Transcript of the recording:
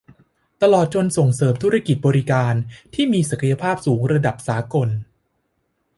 ตลอดจนส่งเสริมธุรกิจบริการที่มีศักยภาพสู่ระดับสากล